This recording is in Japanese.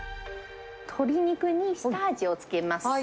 鶏肉に下味を付けます。